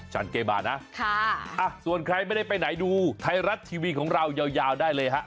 ันเกมานะส่วนใครไม่ได้ไปไหนดูไทยรัฐทีวีของเรายาวได้เลยฮะ